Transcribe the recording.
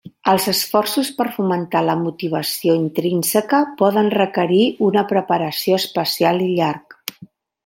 Els esforços per fomentar la motivació intrínseca poden requerir una preparació especial i llarg.